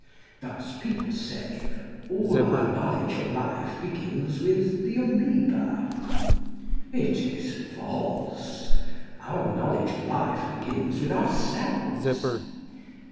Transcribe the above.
Thus people say, " All our knowledge of life begins with the amoeba." It is false ; our knowledge of life begins with ourselves.